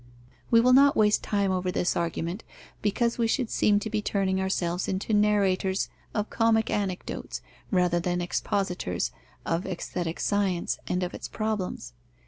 We will not waste time over this argument, because we should seem to be turning ourselves into narrators of comic anecdotes rather than expositors of aesthetic science and of its problems.